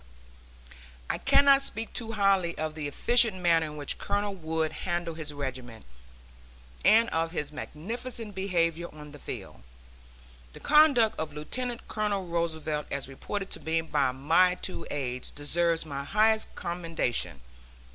. I cannot speak too highly of the efficient manner in which Colonel Wood handled his regiment, and of his magnificent behavior on the field. The conduct of Lieutenant Colonel Roosevelt, as reported to me by my two aides, deserves my highest commendation.